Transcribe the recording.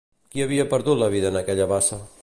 Qui havia perdut la vida en aquella bassa?